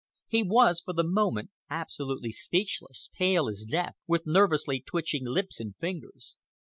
He was, for the moment, absolutely speechless, pale as death, with nervously twitching lips and fingers.